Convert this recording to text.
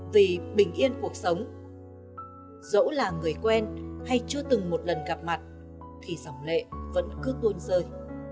vì bình yên cuộc sống dẫu là người quen hay chưa từng một lần gặp mặt thì dòng lệ vẫn cứ tuôn rơi